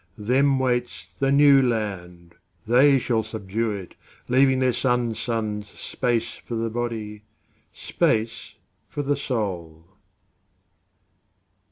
Them waits the New Land; They shall subdue it, Leaving their sons' sonsSpace for the body, Space for the soul.